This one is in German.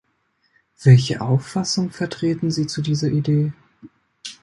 Welche Auffassung vertreten Sie zu dieser Idee?